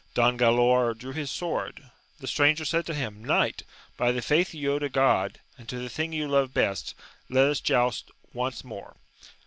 Don Galaor drew his sword : the stranger said to him, Kjiight, by the faith you owe to God, and to the thing you leve best, let us joust once more